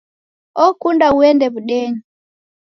Okunda uende w'udenyi!